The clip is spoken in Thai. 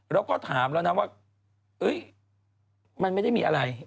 แล้วก็ถามแล้วนะว่ามันไม่ได้มีอะไร